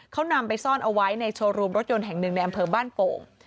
เขานำไปซ่อนเอาไว้ในโชว์รูมรถยนต์แห่ง๑ในแอมเพิร์มบ้านโป่ง